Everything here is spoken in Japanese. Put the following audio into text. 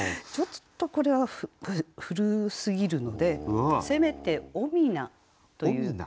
ちょっとこれは古すぎるのでせめて「おみな」という。